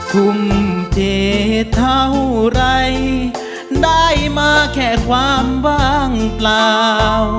ทุ่มเจเท่าไรได้มาแค่ความว่างเปล่า